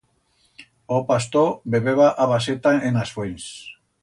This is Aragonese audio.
O pastor bebeba a baseta en as fuents.